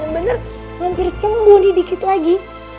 bener bener langsung mulai dikit lagi